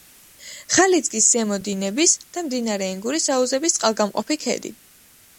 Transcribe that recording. ღალიძგის ზემო დინების და მდინარე ენგურის აუზების წყალგამყოფი ქედი.